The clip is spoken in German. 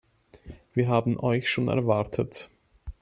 Wir haben euch schon erwartet.